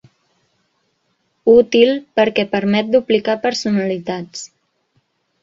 Útil perquè permet duplicar personalitats.